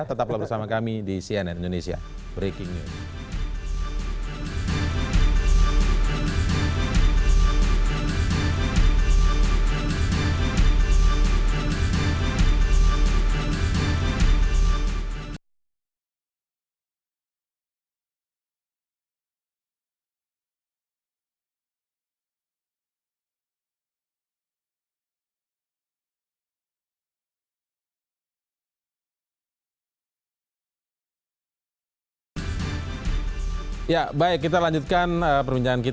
tetaplah bersama kami di cnn indonesia breaking news